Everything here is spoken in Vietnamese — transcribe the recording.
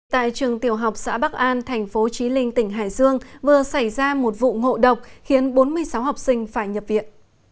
tại trường tiểu học xã bắc an thành phố trí linh tỉnh hải dương vừa xảy ra một vụ ngộ độc khiến bốn mươi sáu học sinh phải nhập viện